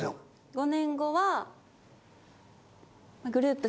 ５年後は。